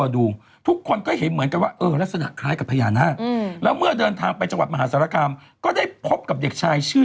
เดี๋ยวพี่พ่อดำไม่จอมปลวกเหรอ